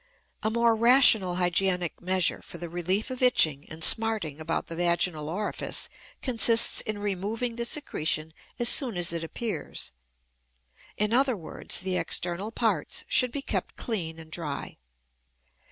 A more rational hygienic measure for the relief of itching and smarting about the vaginal orifice consists in removing the secretion as soon as it appears. In other words, the external parts should be kept clean and dry.